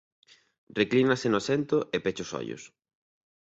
Reclínase no asento e pecha os ollos–.